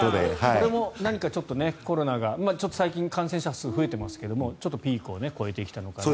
これも何かコロナが最近、感染者数が増えていますがちょっとピークを超えてきたのかなと。